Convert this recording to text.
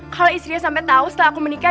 kalau istrinya sampai tahu setelah aku menikah